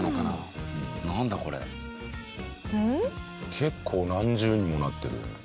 結構何重にもなってる。